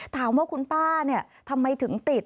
ถามว่าคุณป้าเนี่ยทำไมถึงติด